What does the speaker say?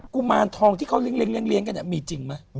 กุมารทองที่เขาเลี้ยงกันมีจริงไหม